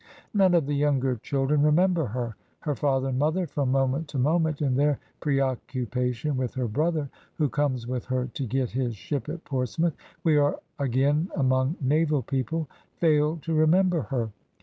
None of the younger children remember her; her father and mother, from moment to moment, in their preoccupation with her brother, who comes with her to get his ship at Portsmouth (we are again among naval people), fail to remember her.